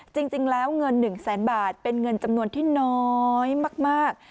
จริงแล้วเงิน๑แสนบาทเป็นเงินจำนวนที่น้อยมาก